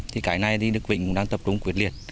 thì cái này thì đức vĩnh cũng đang tập trung quyết liệt